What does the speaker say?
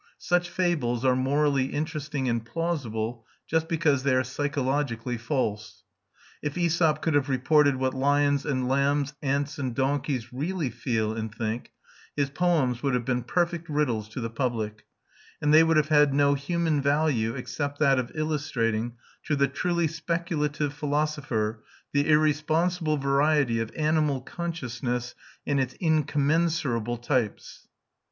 Such fables are morally interesting and plausible just because they are psychologically false. If Æsop could have reported what lions and lambs, ants and donkeys, really feel and think, his poems would have been perfect riddles to the public; and they would have had no human value except that of illustrating, to the truly speculative philosopher, the irresponsible variety of animal consciousness and its incommensurable types.